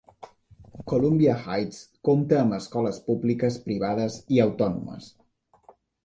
Columbia Heights compta amb escoles públiques, privades i autònomes.